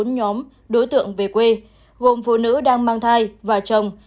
bốn nhóm đối tượng về quê gồm phụ nữ đang mang thai và chồng